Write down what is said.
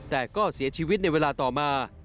แต่ก็เสียชีวิตในเวลาต่อมา